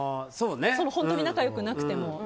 本当に仲良くなくても。